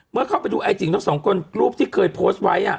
เข้าไปดูไอจีของทั้งสองคนรูปที่เคยโพสต์ไว้